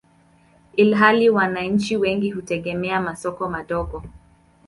ilhali wananchi wengi hutegemea masoko madogo.